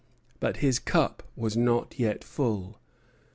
But his cup was not yet full.